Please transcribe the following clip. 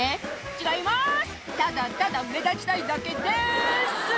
違いまーす、ただただ目立ちたいだけです。